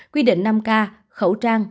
quy định năm k khẩu trang